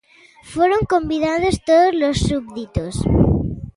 Foron convidados tódolos súbditos.